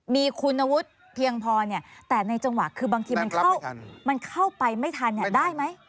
มีคุณวุฒิเพียงพอแต่ในจังหวะคือบางทีมันเข้าไปไม่ทันได้ไหม